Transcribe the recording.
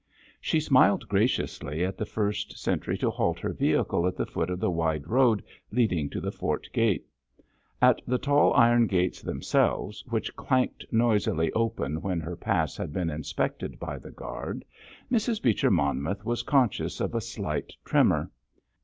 She smiled graciously at the first sentry to halt her vehicle at the foot of the wide road leading to the fort gate. At the tall iron gates themselves, which clanked noisily open when her pass had been inspected by the guard, Mrs. Beecher Monmouth was conscious of a slight tremor.